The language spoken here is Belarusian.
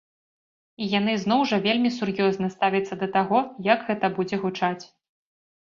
І яны зноў жа вельмі сур'ёзна ставяцца да таго, як гэта будзе гучаць.